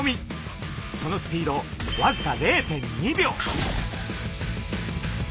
そのスピードわずか０．２秒！